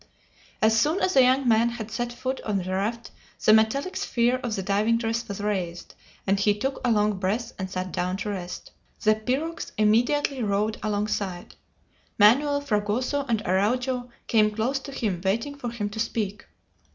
As soon as the young man had set foot on the raft the metallic sphere of the diving dress was raised, and he took a long breath and sat down to rest. The pirogues immediately rowed alongside. Manoel, Fragoso, and Araujo came close to him, waiting for him to speak.